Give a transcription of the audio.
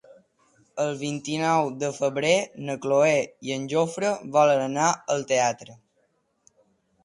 El vint-i-nou de febrer na Cloè i en Jofre volen anar al teatre.